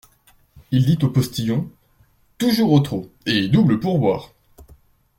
Il dit au postillon : Toujours au trot, et double pourboire.